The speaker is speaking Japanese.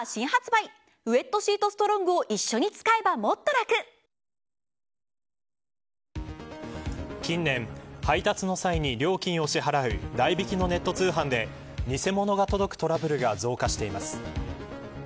詐欺や悪徳商法に詳しい近年、配達の際に料金を支払う代引きのネット通販で偽物が届くトラブルが増加しています。